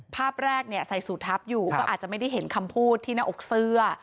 ภาพแรกใส่สูตรทัพอยู่ก็อาจจะไม่ได้เห็นคำพูดที่หน้าอกเสื้อ